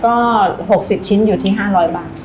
ก็๖๐ชิ้นอยู่ที่๕๐๐บาท